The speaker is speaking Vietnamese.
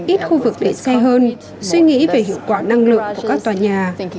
ít khu vực để xe hơn suy nghĩ về hiệu quả năng lượng của các tòa nhà